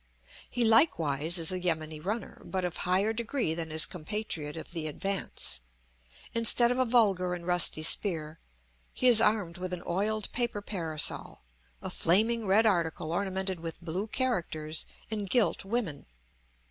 He likewise is a yameni runner, but of higher degree than his compatriot of the advance; instead of a vulgar and rusty spear, he is armed with an oiled paper parasol, a flaming red article ornamented with blue characters and gilt women.